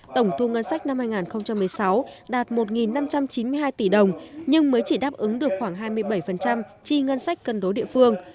tổng thu ngân sách năm hai nghìn một mươi sáu đạt một năm trăm chín mươi hai tỷ đồng nhưng mới chỉ đáp ứng được khoảng hai mươi bảy chi ngân sách cân đối địa phương